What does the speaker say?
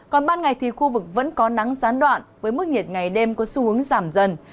còn ban ngày thì khu vực vẫn có nắng gián đoạn với mức nhiệt ngày đêm có xu hướng giảm dần